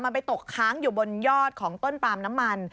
มันไปตกค้างอยู่บนยอดของต้นปลามน้ำมัน